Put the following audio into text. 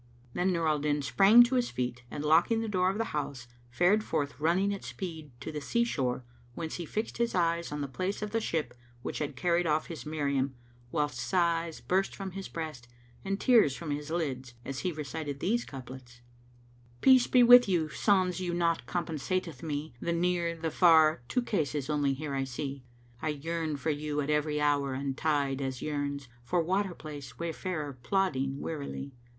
Then Nur al Din sprang to his feet and locking the door of the house, fared forth running at speed, to the sea shore whence he fixed his eyes on the place of the ship which had carried off his Miriam whilst sighs burst from his breast and tears from his lids as he recited these couplets, "Peace be with you, sans you naught compensateth me * The near, the far, two cases only here I see: I yearn for you at every hour and tide as yearns * For water place wayfarer plodding wearily.